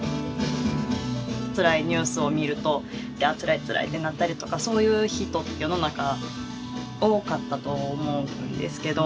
つらいニュースを見るとあつらいつらいってなったりとかそういう人世の中多かったと思うんですけど。